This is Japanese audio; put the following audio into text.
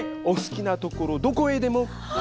お好きな所どこへでも。